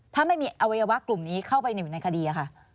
ถ้าไม่มีอวัยวะกลุ่มนี้เข้าไปอยู่ในคดีค่ะ